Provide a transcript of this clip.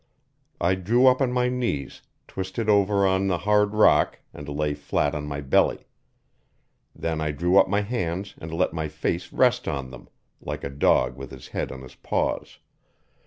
I drew up my knees, twisted over on the hard rock, and lay flat on my belly. Then I drew up my hands and let my face rest on them, like a dog with his head on his paws.